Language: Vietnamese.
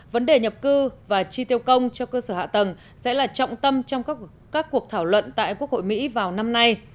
vấn đề nhập cư và chi tiêu công cho cơ sở hạ tầng sẽ là trọng tâm trong các cuộc thảo luận tại quốc hội mỹ vào năm nay